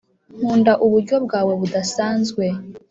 nkunda uburyo bwawe budasanzwe